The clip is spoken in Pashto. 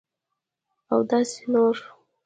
اوداسي نور